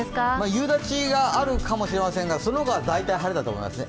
夕立があるかもしれませんがその他、大体晴れだと思いますね。